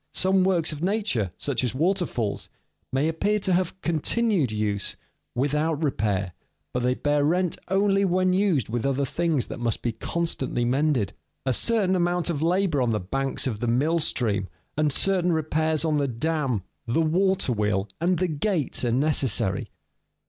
Some works of nature, such as waterfalls, may appear to have a continued use without repair, but they bear rent only when used with other things that must be constantly mended. A certain amount of labor on the banks of the mill stream, and certain repairs on the dam, the water wheel, and the gates are necessary.